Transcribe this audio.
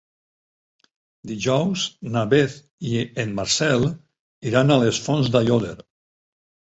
Dijous na Beth i en Marcel iran a les Fonts d'Aiòder.